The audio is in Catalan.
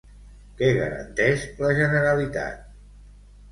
Què garanteix la Generalitat?